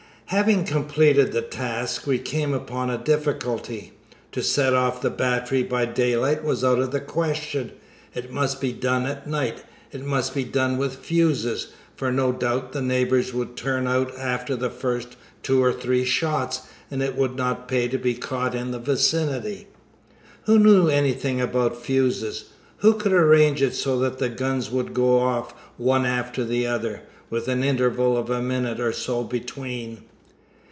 Having completed the task, we came upon a difficulty. To set off the battery by daylight was out of the question; it must be done at night; it must be done with fuses, for no doubt the neighbors would turn out after the first two or three shots, and it would not pay to be caught in the vicinity. Who knew anything about fuses? Who could arrange it so the guns would go off one after the other, with an interval of a minute or so between?